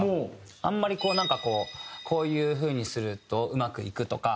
あんまりなんかこうこういうふうにするとうまくいくとか。